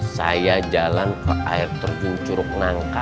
saya jalan ke air terjun curug nangka